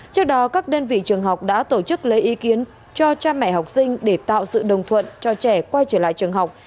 trước đó các đơn vị trường học đã tổ chức lấy ý kiến cho cha mẹ học sinh để tạo sự đồng thuận cho trẻ quay trở lại trường học